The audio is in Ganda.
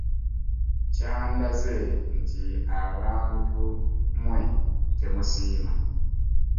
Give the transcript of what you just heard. Kyandaze nti bantu mmwe temusiima!